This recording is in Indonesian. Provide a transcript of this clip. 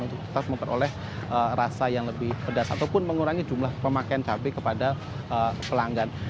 untuk tetap memperoleh rasa yang lebih pedas ataupun mengurangi jumlah pemakaian cabai kepada pelanggan